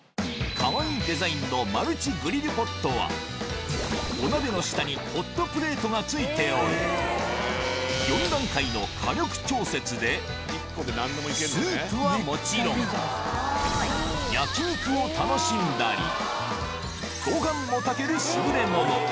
かわいいデザインのマルチグリルポットは、お鍋の下にホットプレートがついており、４段階の火力調節で、スープはもちろん、焼き肉を楽しんだり、ごはんも炊ける優れもの。